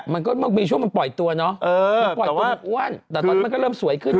มันก็มีช่วงมันปล่อยตัวเนาะมันปล่อยตัวอ้วนแต่ตอนนี้มันก็เริ่มสวยขึ้น